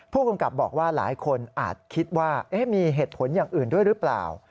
ผู้กำกับบอกว่าหลายคนอาจคิดว่ามีเหตุผลอย่างอื่นด้วยหรือเปล่า